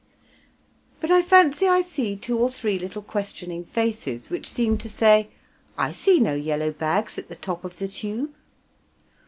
But I fancy I see two or three little questioning faces which seem to say, "I see no yellow bags at the top of the tube."